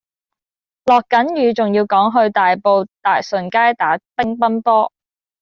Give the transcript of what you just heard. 落緊雨仲要趕住去大埔大順街打乒乓波